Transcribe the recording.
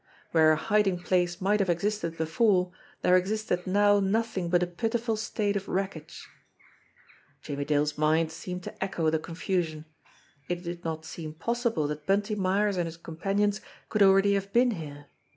Where a hiding place might have existed before, there existed now nothing but a pitiful state of wreckage ! Jimmie Dale's mind seemed to echo the confusion. It did not seem possible that Bunty Myers and his companions could already have been here.